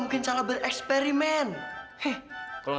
kok mereka lebih ada siapa yang bolong